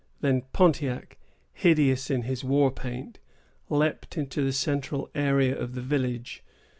Then Pontiac, hideous in his war paint, leaped into the central area of the village.